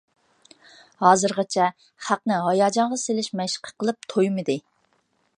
ھازىرغىچە خەقنى ھاياجانغا سېلىش مەشقى قىلىپ تويمىدى.